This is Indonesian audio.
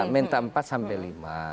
menta empat sampai lima